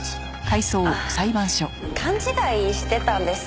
ああ勘違いしてたんです。